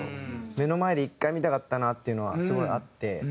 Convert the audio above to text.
目の前で１回見たかったなっていうのはすごいあって。